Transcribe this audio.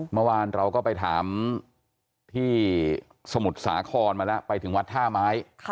เมื่อวานเราก็ไปถามที่สมุทรสาครมาแล้วไปถึงวัดท่าไม้